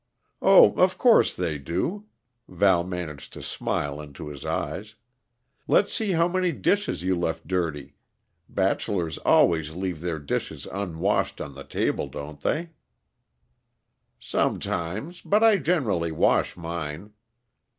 "Oh, of course they do." Val managed to smile into his eyes. "Let's see how many dishes you left dirty; bachelors always leave their dishes unwashed on the table, don't they?" "Sometimes but I generally wash mine."